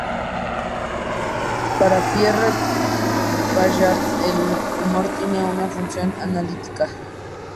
Para Pierre Bayard, el humor tiene una función analítica.